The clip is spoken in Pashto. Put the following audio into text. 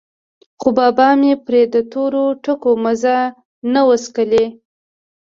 خو بابا مې پرې د تورو ټکو مزه نه وڅکلې.